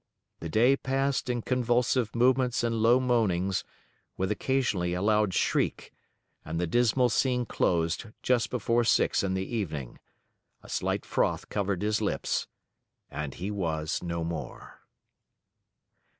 The day passed in convulsive movements and low moanings, with occasionally a loud shriek, and the dismal scene closed just before six in the evening. A slight froth covered his lips, and he was no more.